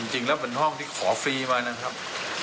จริงแล้วเป็นห้องที่ขอฟรีมานะครับ